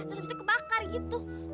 terus habis kebakar gitu